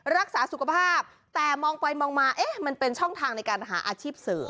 รักษาสุขภาพแต่มองไปมองมาเอ๊ะมันเป็นช่องทางในการหาอาชีพเสริม